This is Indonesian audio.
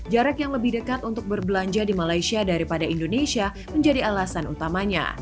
jarak yang lebih dekat untuk berbelanja di malaysia daripada indonesia menjadi alasan utamanya